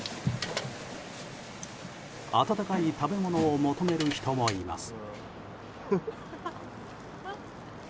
温かい食べ物を求める人もいます。